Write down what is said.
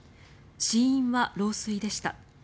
死因は老衰でした。